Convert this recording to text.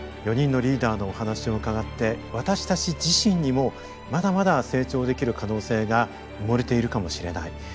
４人のリーダーのお話を伺って私たち自身にもまだまだ成長できる可能性が埋もれているかもしれない。